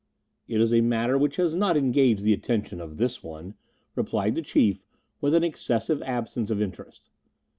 "It is a matter which has not engaged the attention of this one," replied the Chief, with an excessive absence of interest.